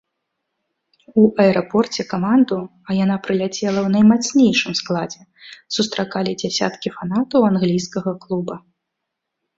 У аэрапорце каманду, а яна прыляцела ў наймацнейшым складзе, сустракалі дзясяткі фанатаў англійскага клуба.